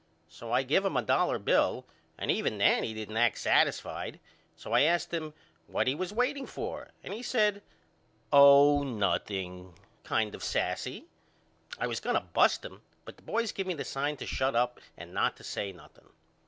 So I give him a dollar bill and even then he didn't act satisfied so I asked him what he was waiting for and he said Oh nothing, kind of sassy. I was going to bust him but the boys give me the sign to shut up and not to say nothing.